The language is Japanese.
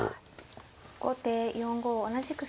後手４五同じく歩。